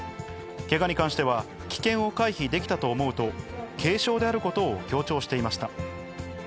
けがに関しては危険を回避できたと思うと、軽症であることを強調していました。